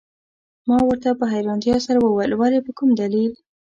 ما ورته په حیرانتیا سره وویل: ولي، په کوم دلیل؟